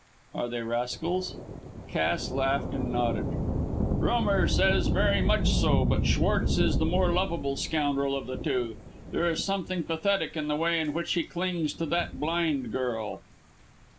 "Are they rascals?" Cass laughed and nodded. "Rumour says very much so, but Schwartz is the more lovable scoundrel of the two. There is something pathetic in the way in which he clings to that blind girl."